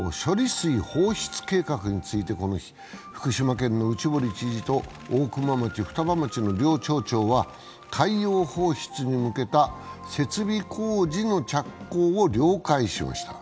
水放出計画について、この日、福島県の内堀知事と大熊町双葉町の両町長は海洋放出にに向けた設備工事の着工を了解しました。